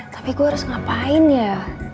tapi gue harus ngapain ya